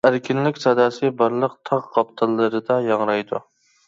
ئەركىنلىك ساداسى بارلىق تاغ قاپتاللىرىدا ياڭرايدۇ.